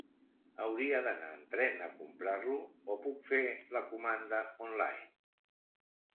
Hauria d'anar en tren a comprar-lo, o puc fer la comanda online?